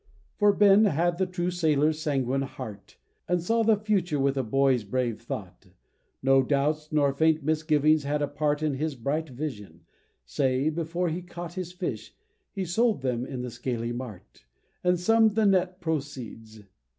For Ben had the true sailor's sanguine heart, And saw the future with a boy's brave thought, No doubts, nor faint misgivings had a part In his bright visions ay, before he caught His fish, he sold them in the scaly mart, And summ'd the net proceeds.